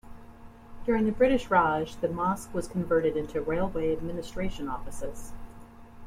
During the British Raj, the mosque was converted into railway administration offices.